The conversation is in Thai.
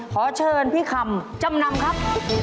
ขอเชิญพี่คำจำนำครับ